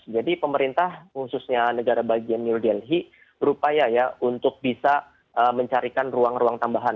jadi pemerintah khususnya negara bagian new delhi berupaya ya untuk bisa mencarikan ruang ruang tambahan